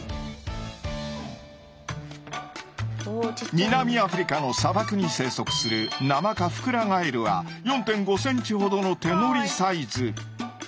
南アフリカの砂漠に生息するナマカフクラガエルは４．５センチほどの手のりサイズ。